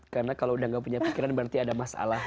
karena kalau udah enggak punya pikiran berarti ada masalah